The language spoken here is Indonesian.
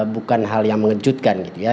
bukan hal yang mengejutkan gitu ya